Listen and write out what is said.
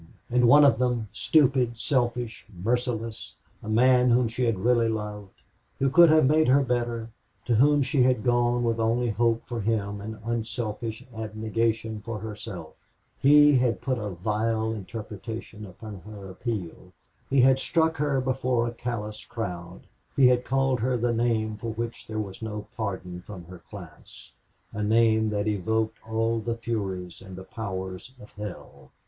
And one of them, stupid, selfish, merciless, a man whom she had really loved, who could have made her better, to whom she had gone with only hope for him and unselfish abnegation for herself he had put a vile interpretation upon her appeal, he had struck her before a callous crowd, he had called her the name for which there was no pardon from her class, a name that evoked all the furies and the powers of hell.